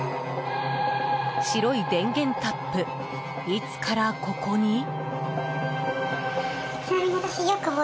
白い電源タップいつからここに？